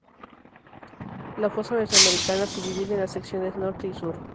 La fosa Mesoamericana se divide en las secciones norte y sur.